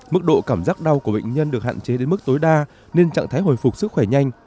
mức độ cảm giác đau của bệnh nhân được hạn chế đến mức tối đa nên trạng thái hồi phục sức khỏe nhanh